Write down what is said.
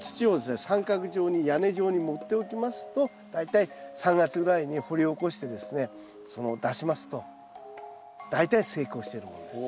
三角状に屋根状に盛っておきますと大体３月ぐらいに掘り起こしてですね出しますと大体成功しているものです。